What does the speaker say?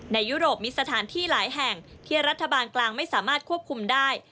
ยุโรปมีสถานที่หลายแห่งที่รัฐบาลกลางไม่สามารถควบคุมได้